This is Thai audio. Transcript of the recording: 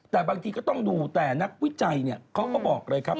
แต่บางทีก็ต้องดูแต่นักวิจัยเนี่ยเขาก็บอกเลยครับ